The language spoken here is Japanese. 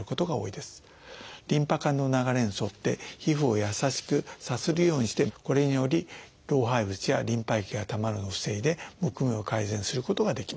リンパ管の流れに沿って皮膚を優しくさするようにしてこれにより老廃物やリンパ液がたまるのを防いでむくみを改善することができます。